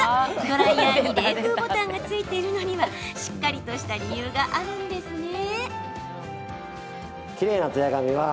ドライヤーに冷風ボタンがついているのにはしっかりとした理由があるんですね。